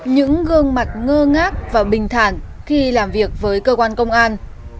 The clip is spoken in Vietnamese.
những gương mặt ngơ ngác và bình thản khi làm việc với cơ quan công an